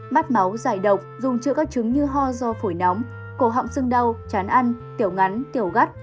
mát máu giải độc dùng chữa các chứng như ho do phổi nóng cổ họng xương đau chán ăn tiểu ngắn tiểu gắt